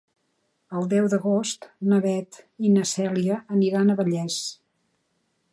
El deu d'agost na Beth i na Cèlia aniran a Vallés.